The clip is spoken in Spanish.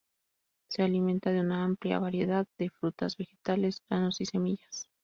Se alimenta de una amplia variedad de frutas, vegetales, granos y semillas.